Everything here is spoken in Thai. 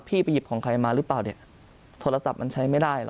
ไปหยิบของใครมาหรือเปล่าเนี่ยโทรศัพท์มันใช้ไม่ได้เหรอ